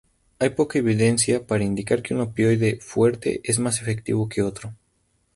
Hay poca evidencia para indicar que un opioide fuerte es más efectivo que otro.